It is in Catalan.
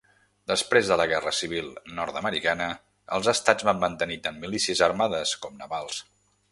Després de la Guerra Civil Nord-americana, els estats van mantenir tant milícies armades com navals.